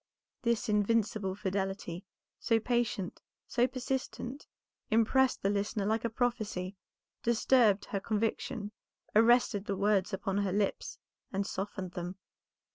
This invincible fidelity, so patient, so persistent, impressed the listener like a prophecy, disturbed her conviction, arrested the words upon her lips and softened them.